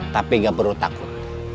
tapi gak perlu takut